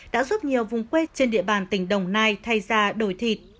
đã giúp nhiều vùng quê trên địa bàn tỉnh đồng nai thay ra đổi thịt